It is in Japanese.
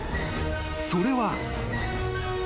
［それは］